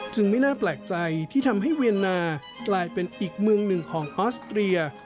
ไม่น่าแปลกใจที่ทำให้เวียนนากลายเป็นอีกเมืองหนึ่งของออสเตรีย